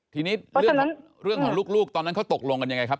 ทีนี้เรื่องของลูกตอนนั้นเขาตกลงกันยังไงครับ